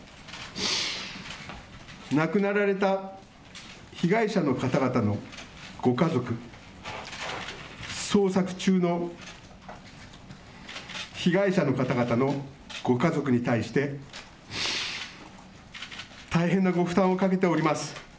亡くなられた被害者の方々のご家族、捜索中の被害者の方々のご家族に対して、大変なご負担をかけております。